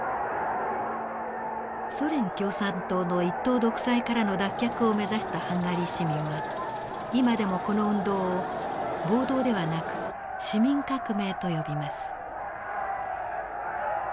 ソ連共産党の一党独裁からの脱却を目指したハンガリー市民は今でもこの運動を暴動ではなく市民革命と呼びます。